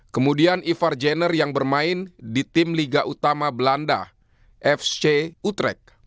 kemudian ivar jenner yang bermain di tim liga utama belanda fc utrek